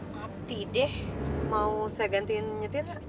mati deh mau saya gantiin nyetin gak